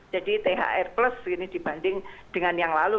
jadi thr plus ini dibanding dengan yang lalu